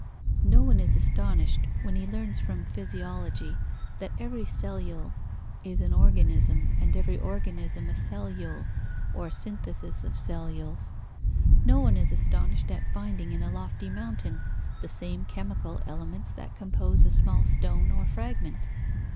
No one is astonished when he learns from physiology that every cellule is an organism and every organism a cellule or synthesis of cellules. No one is astonished at finding in a lofty mountain the same chemical elements that compose a small stone or fragment.